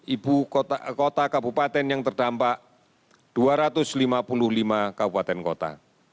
ibu kota kabupaten yang terdampak dua ratus lima puluh lima kabupaten kota